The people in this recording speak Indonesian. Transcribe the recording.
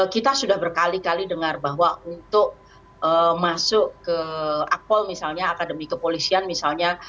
kita sudah berkali kali dengar bahwa untuk masuk ke akpol misalnya akademi kepolisian misalnya